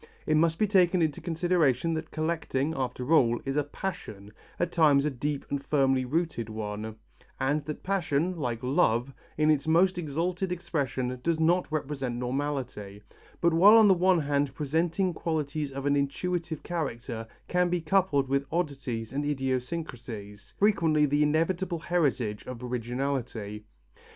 It must be taken into consideration that collecting, after all, is a passion, at times a deep and firmly rooted one, and that passion, like love, in its most exalted expression does not represent normality, but while on the one hand presenting qualities of an intuitive character, can be coupled with oddities and idiosyncrasies, frequently the inevitable heritage of originality.